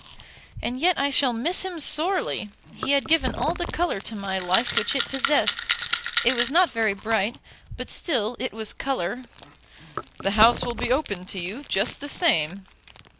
"And yet I shall miss him sorely. He had given all the colour to my life which it possessed. It was not very bright, but still it was colour." "The house will be open to you just the same."